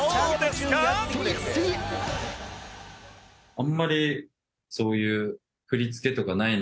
あんまりそういう。